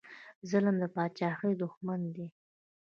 ظلم د پاچاهۍ دښمن دی